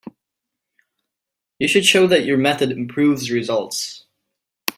You should show that your method improves results.